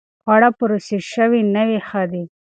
خواړه پروسس شوي نه وي، ښه دي.